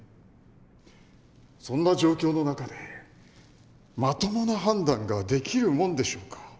そんな状況の中でまともな判断ができるもんでしょうか？